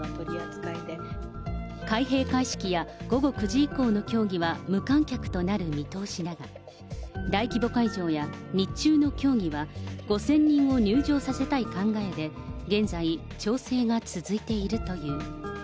開閉会式や午後９時以降の競技は無観客となる見通しだが、大規模会場や日中の競技は、５０００人を入場させたい考えで、現在調整が続いているという。